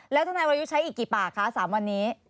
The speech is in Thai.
แล้วทนายวรยุทธ์ใช้อีกกี่ปากคะ๓วันนี้